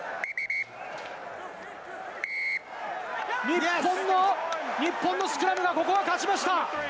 日本の、日本のスクラムが、ここは勝ちました。